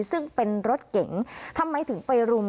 ซึ่งเป็นรถเก๋งทำไมถึงไปรุม